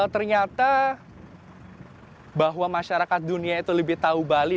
ternyata bahwa masyarakat dunia itu lebih tahu bali